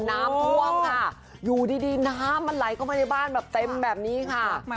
น้ำท่วมค่ะอยู่ดีน้ำมันไหลเข้ามาในบ้านแบบเต็มแบบนี้ค่ะ